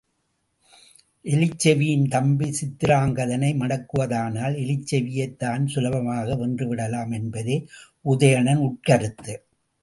எலிச்செவியின் தம்பி சித்திராங்கதனை மடக்குவதனால் எலிச்செவியைத் தான் சுலபமாக வென்றுவிடலாம் என்பதே உதயணன் உட்கருத்து.